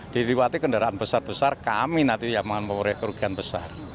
diliwati kendaraan besar besar kami nanti yang memperoleh kerugian besar